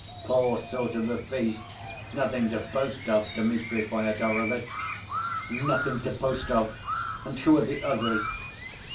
"Poor sort of a feast! Nothing to boast of, Dmitri Fyodorovitch." "Nothing to boast of? And who are the others?"